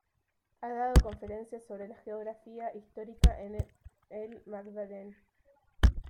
Ha dado conferencias sobre la geografía histórica en el Magdalen.